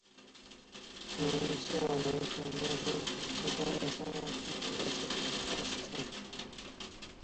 曼秀雷敦软膏仍是由乐敦制药旗下曼秀雷敦公司生产的为原创产品。